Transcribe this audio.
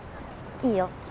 いいよ